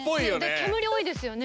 煙多いですよね